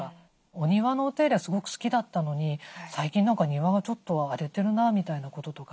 お庭のお手入れがすごく好きだったのに最近何か庭がちょっと荒れてるなみたいなこととか。